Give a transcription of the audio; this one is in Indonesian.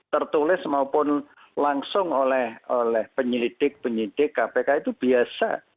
tertulis maupun langsung oleh penyelidik penyidik kpk itu biasa